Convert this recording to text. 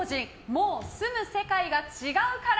もう住む世界が違うから！」